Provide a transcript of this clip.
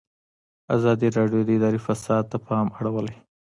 ازادي راډیو د اداري فساد ته پام اړولی.